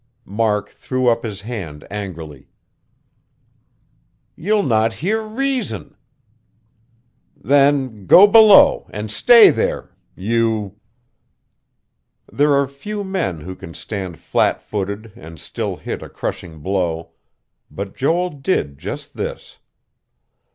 Mark threw up his hand angrily. "You'll not hear reason. Then go below, and stay there. You...." There are few men who can stand flat footed and still hit a crushing blow; but Joel did just this.